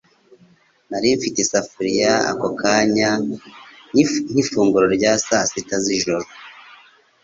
Nari mfite isafuriya ako kanya nk'ifunguro rya saa sita z'ijoro.